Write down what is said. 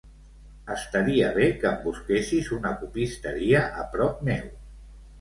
Estaria bé que em busquessis una copisteria a prop meu.